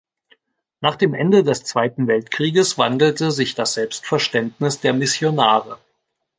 Nach dem Ende des Zweiten Weltkrieges wandelte sich das Selbstverständnis der Missionare.